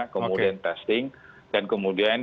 kemudian testing dan kemudian